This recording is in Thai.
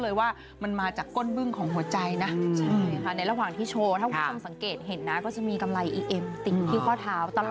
อยากให้ยายคำนี้ต่อ